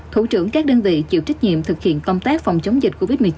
thủ trưởng các đơn vị chịu trách nhiệm thực hiện công tác phòng chống dịch covid một mươi chín